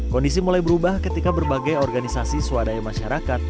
kondisi mulai berubah ketika berbagai organisasi swadaya masyarakat